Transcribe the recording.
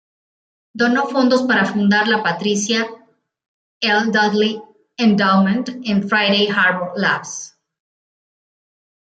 Donó fondos para fundar la Patricia L. Dudley Endowment en Friday Harbor Labs.